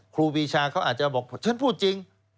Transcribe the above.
ครูปีชาเขาอาจจะบอกฉันพูดจริง